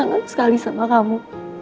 kangen sekali sama kamu